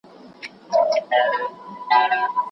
د امن سندرې ووايو.